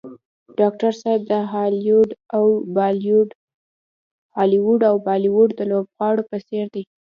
ډاکټر صاحب د هالیوډ او بالیوډ د لوبغاړو په څېر دی.